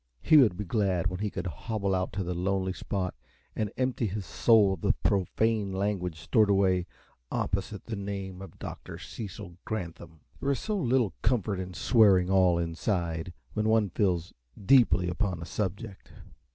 He would be glad when he could hobble out to some lonely spot and empty his soul of the profane language stored away opposite the name of Dr. Cecil Granthum. There is so little comfort in swearing all inside, when one feels deeply upon a subject.